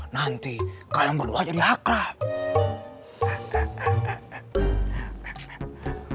nanti kalian berdua jadi hakrab